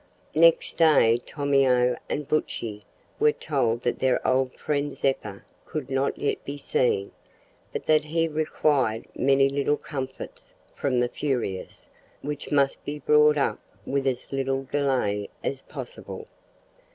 Next day Tomeo and Buttchee were told that their old friend Zeppa could not yet be seen, but that he required many little comforts from the "Furious," which must be brought up with as little delay as possible.